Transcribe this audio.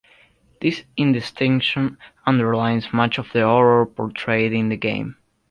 This indistinction underlines much of the horror portrayed in the game.